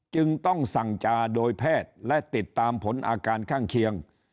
จึงต้องสั่งจาโดยแพทย์และติดตามผลอาการข้างเคียง